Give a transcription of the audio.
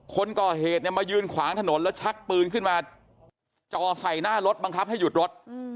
คนก่อเหตุเนี่ยมายืนขวางถนนแล้วชักปืนขึ้นมาจอใส่หน้ารถบังคับให้หยุดรถ